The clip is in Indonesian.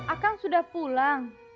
akang sudah pulang